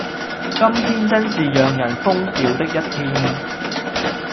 今天真是讓人瘋掉的一天